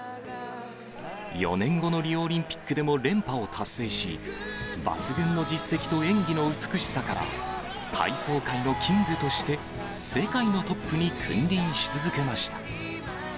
４年後のリオオリンピックでも連覇を達成し、抜群の実績と演技の美しさから体操界のキングとして、世界のトップに君臨し続けました。